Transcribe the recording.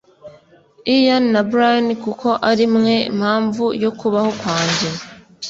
Ian na Brian kuko ari mwe mpamvu yo kubaho kwanjye